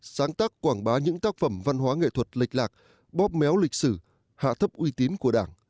sáng tác quảng bá những tác phẩm văn hóa nghệ thuật lệch lạc bóp méo lịch sử hạ thấp uy tín của đảng